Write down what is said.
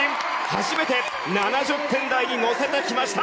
初めて７０点台に乗せてきました！